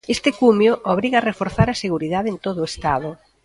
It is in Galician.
Este cumio obriga a reforzar a seguridade en todo o estado.